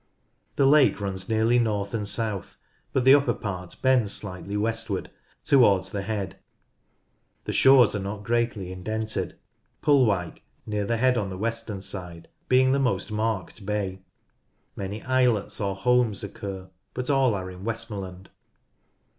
The lake runs nearly north and south, but the upper part bends slightly westward towards the head. The shores are not greatly indented, Pullwyke, near the head on the western side, being the most marked bay. Many islets or "holms" occur, but all are in Westmor land.